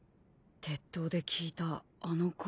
鉄塔で聞いたあの声。